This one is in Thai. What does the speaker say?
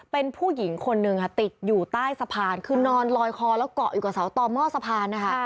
เป็นผู้หญิงคนหนึ่งค่ะติดอยู่ใต้สะพานคือนอนลอยคอแล้วเกาะอยู่กับเสาต่อหม้อสะพานนะคะ